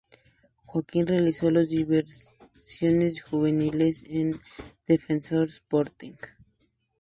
Joaquín realizó las divisiones juveniles en Defensor Sporting.